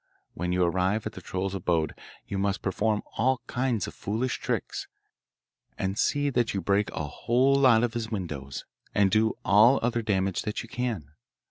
When you arrive at the troll's abode, you must perform all kinds of foolish tricks, and see that you break a whole lot of his windows, and do all other damage that you can.